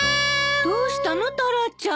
どうしたのタラちゃん。